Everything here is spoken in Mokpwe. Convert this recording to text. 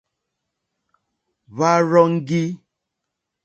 Hwá rzɔ́ŋgí.